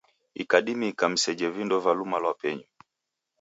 Ikadimika mseje vindo va luma lwa penyu.